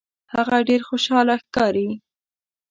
هغه ډیر خوشحاله ښکاري.